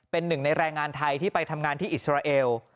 เป็นหนึ่งในแรงงานไทยที่ไปทำงานที่อิสราเอล